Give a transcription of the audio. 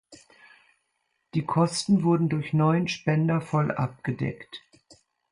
Die Kosten wurden durch neun Spender voll abgedeckt.